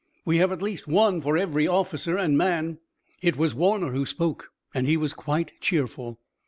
"We have at least one for every officer and man." It was Warner who spoke and he was quite cheerful.